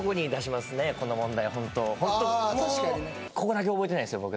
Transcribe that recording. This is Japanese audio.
この問題ホントここだけ覚えてないんすよ